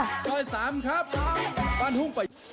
ซอย๓ครับบ้านหุ้งไป